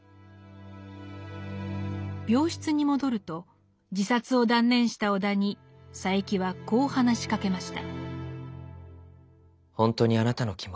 病室に戻ると自殺を断念した尾田に佐柄木はこう話しかけました。